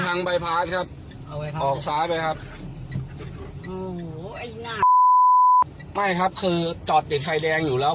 ไปทางใบพลาดครับออกซ้ายไปครับไม่ครับคือจอดติดไฟแดงอยู่แล้ว